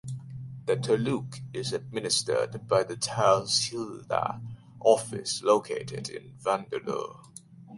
The taluk is administered by the Tahsildar office located in Vandalur.